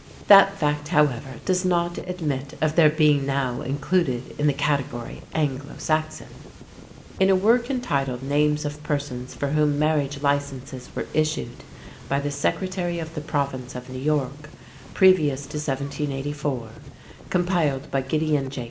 That fact, however, does not admit of their being now included in the category "Anglo Saxon." In a work entitled "Names of Persons for whom Marriage Licenses were issued by the Secretary of the Province of New York, previous to 1784," compiled by Gideon J.